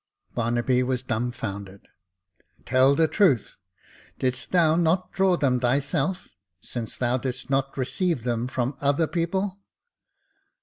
Barnaby was dumbfounded. Tell the truth ; didst thou not draw them thyself, since thou didst not receive them from other people."